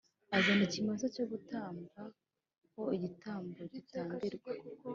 Azana ikimasa cyo gutamba ho igitambo gitambirwa